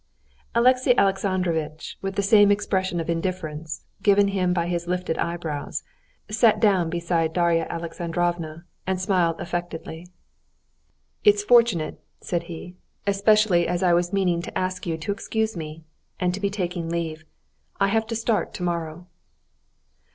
Alexey Alexandrovitch, with the same expression of indifference, given him by his lifted eyebrows, sat down beside Darya Alexandrovna, and smiled affectedly. "It's fortunate," said he, "especially as I was meaning to ask you to excuse me, and to be taking leave. I have to start tomorrow."